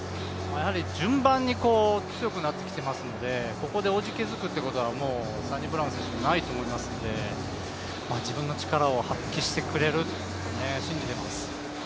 順番に強くなってきていますので、ここでおじけづくということはもうサニブラウン選手はないと思いますので自分の力を発揮してくれると信じてます。